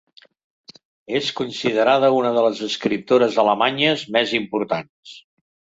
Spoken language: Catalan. És considerada una de les escriptores alemanyes més importants.